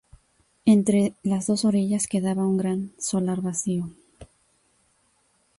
Entre las dos orillas quedaba un gran solar vacío.